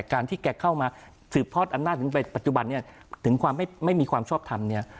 การที่แกเข้ามาสืบทอดอำนาจถึงไปปัจจุบันเนี่ยถึงความไม่มีความชอบทำเนี่ย